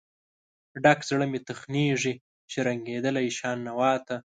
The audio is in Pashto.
ډک زړه مې تخنیږي، شرنګیدلې شان نوا ته